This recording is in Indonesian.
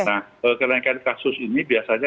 nah kenaikan kasus ini biasanya